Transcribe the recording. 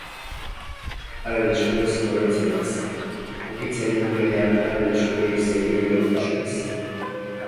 Haren eskuez oroitzen naiz, ukitzen ninduenean haren eskuei zerien leuntasunaz.